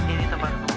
ini tempat kumpul